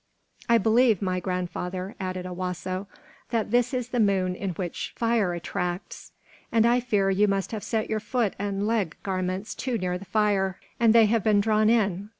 "I believe, my grandfather," added Owasso, "that this is the moon in which fire attracts, and I fear you must have set your foot and leg garments too near the fire, and they have been drawn in.